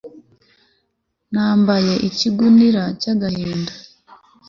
nambaye ikigunira cy'agahinda